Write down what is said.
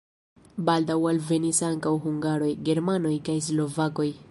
Baldaŭ alvenis ankaŭ hungaroj, germanoj kaj slovakoj.